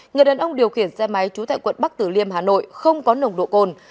người đàn ông điều khiển xe máy trú tại quận bắc tử liêm hà nội không có nồng độ cồn